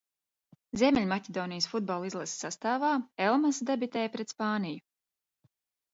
Ziemeļmaķedonijas futbola izlases sastāvā Elmass debitēja pret Spāniju.